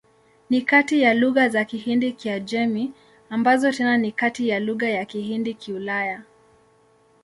Ni kati ya lugha za Kihindi-Kiajemi, ambazo tena ni kati ya lugha za Kihindi-Kiulaya.